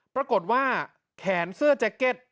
ปรากฏว่าแขนเสื้อแจ็คเก็ต